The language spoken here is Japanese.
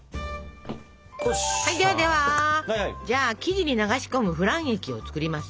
ではではじゃあ生地に流し込むフラン液を作りますよ。